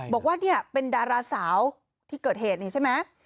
บอกว่าเนี่ยเป็นดาราสาวที่เกิดเหตุนี่ใช่ไหม